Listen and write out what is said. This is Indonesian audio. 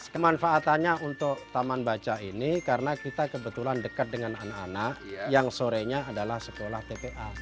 kemanfaatannya untuk taman baca ini karena kita kebetulan dekat dengan anak anak yang sorenya adalah sekolah tpa